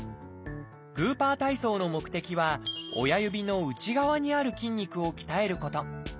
グーパー体操の目的は親指の内側にある筋肉を鍛えること。